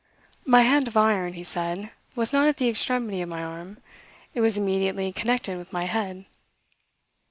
"My hand of iron," he said, "was not at the extremity of my arm; it was immediately connected with my head."